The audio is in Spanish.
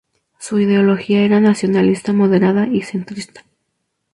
Su ideología era nacionalista moderada y centrista.